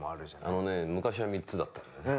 あのね昔は３つだったのよね。